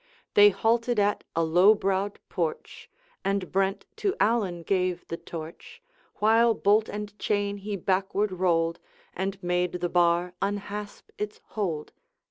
They halted at a Iow browed porch, And Brent to Allan gave the torch, While bolt and chain he backward rolled, And made the bar unhasp its hold.